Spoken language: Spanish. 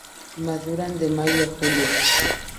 Maduran de mayo a julio.